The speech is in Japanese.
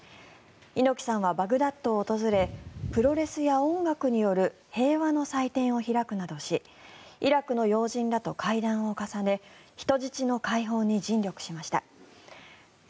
猪木さんはバグダッドを訪れプロレスや音楽による平和の祭典を開くなどしイラクの要人らと会談を重ね人質の解放に尽力しました。